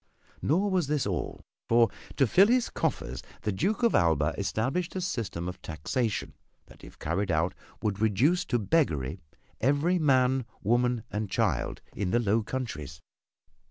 Nor was this all for to fill his coffers the Duke of Alva established a system of taxation that if carried out would reduce to beggary every man, woman and child in the Low Countries.